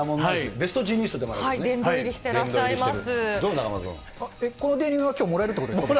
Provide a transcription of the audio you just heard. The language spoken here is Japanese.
ベストジーニストでもあるわけですね。